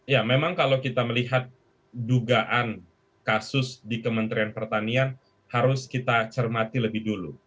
ya memang kalau kita melihat dugaan kasus di kementerian pertanian harus kita cermati lebih dulu